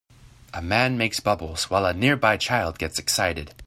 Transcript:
A man makes bubbles, while a nearby child gets excited.